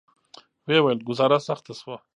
ویې ویل: ګوزاره سخته شوه.